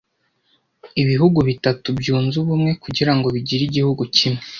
Ibihugu bitatu byunze ubumwe kugirango bigire igihugu kimwe.